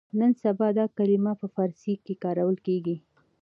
نن سبا دا کلمه په فارسي کې کارول کېږي.